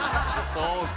そう！